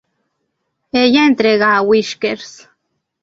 Ella entrega a Whiskers.